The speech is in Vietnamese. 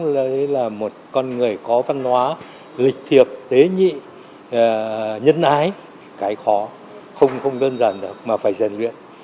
đấy là một con người có văn hóa lịch thiệp tế nhị nhân ái cái khó không đơn giản được mà phải rèn luyện